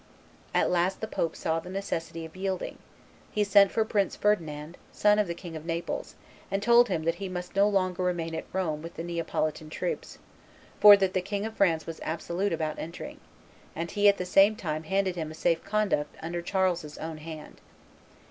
At last the pope saw the necessity of yielding; he sent for Prince Ferdinand, son of the King of Naples, and told him that he must no longer remain at Rome with the Neapolitan troops, for that the King of France was absolute about entering; and he at the same time handed him a safe conduct under Charles's own hand.